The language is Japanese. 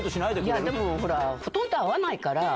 いや、でもほら、ほとんど会わないから、